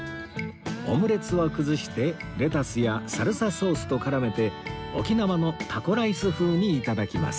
オムレツを崩してレタスやサルサソースと絡めて沖縄のタコライス風にいただきます